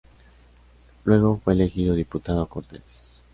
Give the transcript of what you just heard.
Luego fue elegido diputado a Cortes.